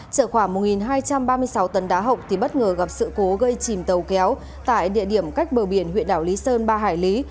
chở khoảng một hai trăm ba mươi sáu tấn đá hộng thì bất ngờ gặp sự cố gây chìm tàu kéo tại địa điểm cách bờ biển huyện đảo lý sơn ba hải lý